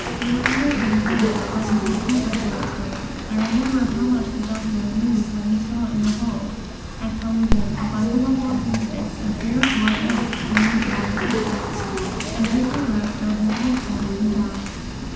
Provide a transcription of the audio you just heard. We were entertained, however, by Mrs. Herbert Gladstone. I remember how much the Doctor was moved when he saw in the hall at Hawarden a bundle of walking sticks and three or four hats hanging on the hat rack, as Mr. Gladstone had left them when he died.